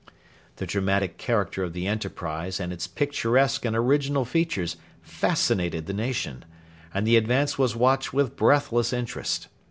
The dramatic character of the enterprise and its picturesque and original features fascinated the nation, and the advance was watched with breathless interest.